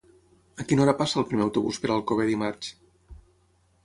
A quina hora passa el primer autobús per Alcover dimarts?